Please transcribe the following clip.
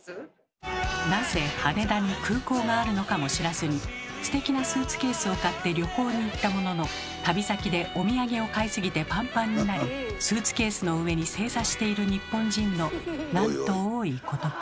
なぜ羽田に空港があるのかも知らずにステキなスーツケースを買って旅行に行ったものの旅先でお土産を買いすぎてパンパンになりスーツケースの上に正座している日本人のなんと多いことか。